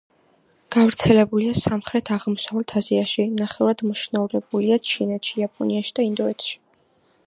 გავრცელებულია სამხრეთ-აღმოსავლეთ აზიაში; ნახევრად მოშინაურებულია ჩინეთში, იაპონიაში და ინდოეთში.